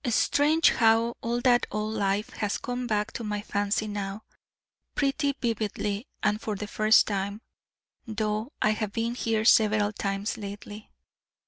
Strange how all that old life has come back to my fancy now, pretty vividly, and for the first time, though I have been here several times lately.